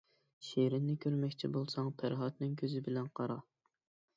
شىرىننى كۆرمەكچى بولساڭ پەرھادنىڭ كۆزى بىلەن قارا.